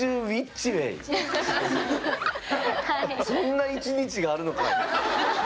そんな１日があるのかい！